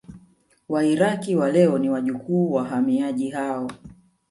Wairaki wa leo ni wajukuu wa wahamiaji hao